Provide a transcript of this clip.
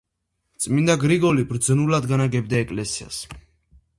წმინდა გრიგოლი ბრძნულად განაგებდა ეკლესიას.